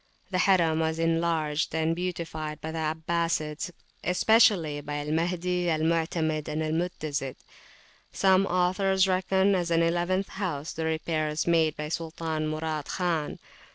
The Harim was enlarged and beautified by the Abbasides, especially by Al Mahdi, Al Mutamid, and Al Mutazid. Some authors reckon, as an eleventh house, the repairs made by Sultan Murad Khan.